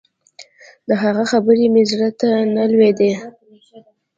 د هغه خبرې مې زړه ته نه لوېدې.